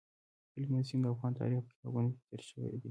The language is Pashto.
هلمند سیند د افغان تاریخ په کتابونو کې ذکر شوی دی.